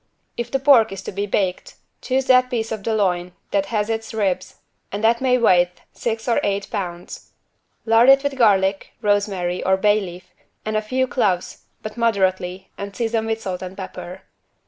If the pork is to be baked, choose that piece of the loin that has its ribs and that may weigh six or eight pounds. Lard it with garlic, rosemary or bay leaf and a few cloves, but moderately, and season with salt and pepper.